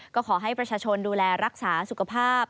ก็ขอให้ประชาชนดูแลรักษาสุขภาพ